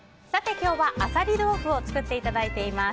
今日はアサリ豆腐を作っていただいています。